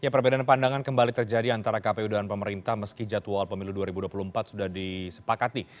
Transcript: perbedaan pandangan kembali terjadi antara kpu dan pemerintah meski jadwal pemilu dua ribu dua puluh empat sudah disepakati